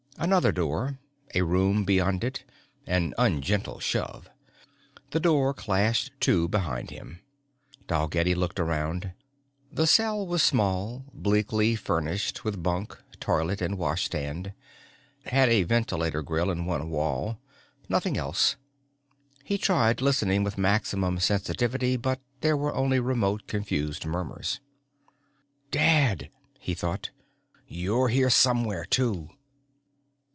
Another door, a room beyond it, an ungentle shove. The door clashed to behind him. Dalgetty looked around. The cell was small, bleakly furnished with bunk, toilet and washstand, had a ventilator grille in one wall. Nothing else. He tried listening with maximum sensitivity but there were only remote confused murmurs. Dad! he thought. _You're here somewhere too.